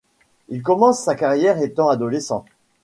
Il commence sa carrière étant adolescent.